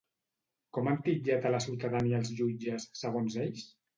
Com han titllat a la ciutadania els jutges, segons ells?